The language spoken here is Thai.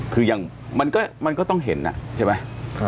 คืออย่างมันก็ต้องเห็นใช่ไหม